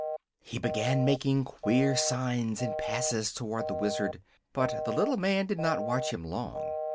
He began making queer signs and passes toward the Wizard; but the little man did not watch him long.